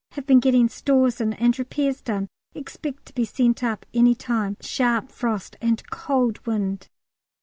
Have been getting stores in and repairs done; expect to be sent up any time. Sharp frost and cold wind.